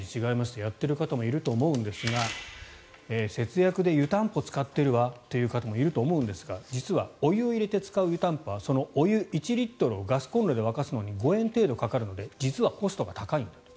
やっている方もいると思うんですが節約で湯たんぽ使っているわという方もいると思うんですが実はお湯を入れて使う湯たんぽはそのお湯、１リットルをガスコンロで沸かすのに５円程度かかるので実はコストが高いんだと。